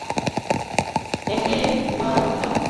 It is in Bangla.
এক ইয়ে ওয়াসাফ খোদাদাদ মেরে নাম মেঁ হ্যায়